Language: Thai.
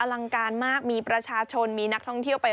ลังการมากมีประชาชนมีนักท่องเที่ยวไป